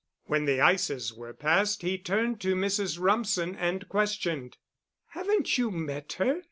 When the ices were passed he turned to Mrs. Rumsen and questioned. "Haven't you met her?"